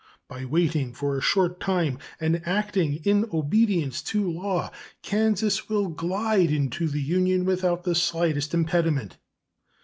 By waiting for a short time and acting in obedience to law Kansas will glide into the Union without the slightest impediment.